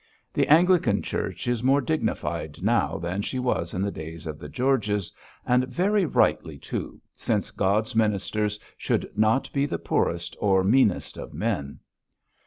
The Anglican Church is more dignified now than she was in the days of the Georges, and very rightly, too, since God's ministers should not be the poorest or meanest of men.